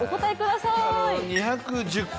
２１０回。